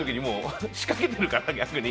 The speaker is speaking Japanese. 俺、仕掛けてるから逆に。